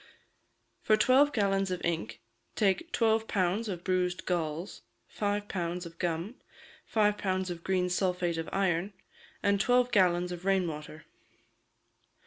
For twelve gallons of ink take twelve pounds of bruised galls, five pounds of gum, five pounds of green sulphate of iron, and twelve gallons of rain water.